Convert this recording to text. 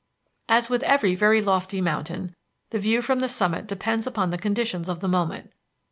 As with every very lofty mountain the view from the summit depends upon the conditions of the moment.